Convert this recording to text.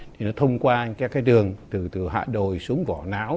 thì nó thông qua những cái đường từ hạ đồi xuống vỏ não